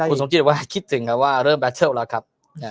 คุณสมจิตว่าคิดถึงครับว่าเริ่มแบตเชิลแล้วครับ